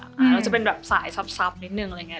มันจะเป็นแบบสายซับนิดนึงอะไรอย่างนี้